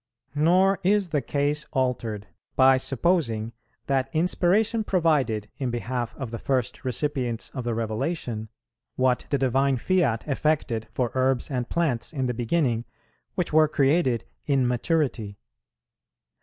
Nor is the case altered by supposing that inspiration provided in behalf of the first recipients of the Revelation, what the Divine Fiat effected for herbs and plants in the beginning, which were created in maturity.